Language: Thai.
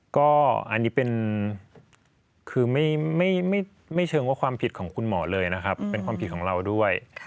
ก็อันนี้เป็นคือไม่เชิงว่าความผิดของคุณหมอเลยนะครับเป็นความผิดของเราด้วย